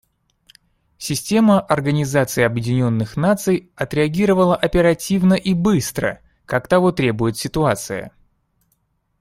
Система Организации Объединенных Наций отреагировала оперативно и быстро, как того требует ситуация.